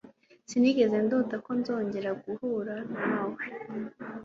Sinigeze ndota ko nzongera guhura nawe.